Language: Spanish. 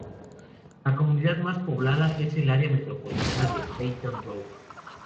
La comunidad más poblada es el área metropolitana de Baton Rouge.